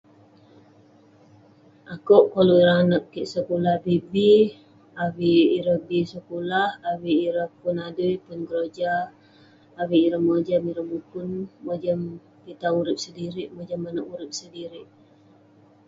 Akouk koluk ireh anag kik sekulah bi bi, avik ireh bi sekulah..avik ireh pun adui pun keroja, avik ireh mojam avik ireh mukun, mojam pitai urip sedirik, mojam manouk urip sedirik..